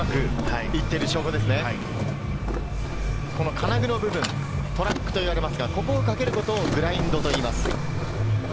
金具の部分、トラックと言われますが、ここをかけることをグラインドといいます。